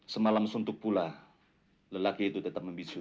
semalam suntuk pula lelaki itu tetap membisu